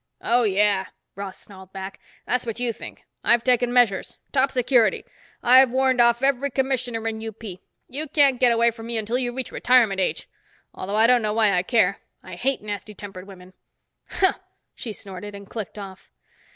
"Oh, yeah." Ross snarled back. "That's what you think. I've taken measures. Top security. I've warned off every Commissioner in UP. You can't get away from me until you reach retirement age. Although I don't know why I care. I hate nasty tempered women." "Huh!" she snorted and clicked off.